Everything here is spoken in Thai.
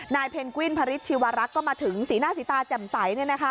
เพนกวินพริษชีวรักษ์ก็มาถึงสีหน้าสีตาแจ่มใส